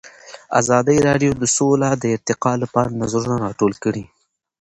ازادي راډیو د سوله د ارتقا لپاره نظرونه راټول کړي.